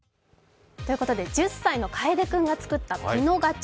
１０歳のかえで君が作ったピノガチャ。